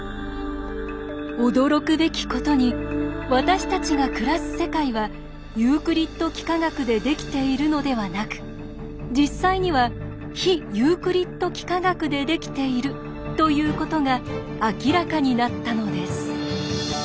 驚くべきことに私たちが暮らす世界はユークリッド幾何学でできているのではなく実際には非ユークリッド幾何学でできているということが明らかになったのです。